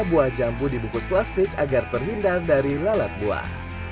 buah jambu dibungkus plastik agar terhindar dari lalat buah